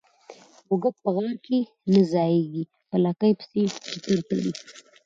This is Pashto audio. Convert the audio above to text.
ـ موږک په غار کې نه ځايږي، په لکۍ پسې چتر تړي.